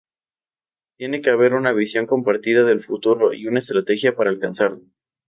Tiene que haber una visión compartida del futuro y una estrategia para alcanzarlo.